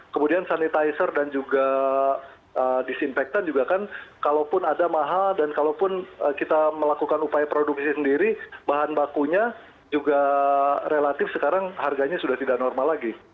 kemudian sanitizer dan juga disinfektan juga kan kalaupun ada mahal dan kalaupun kita melakukan upaya produksi sendiri bahan bakunya juga relatif sekarang harganya sudah tidak normal lagi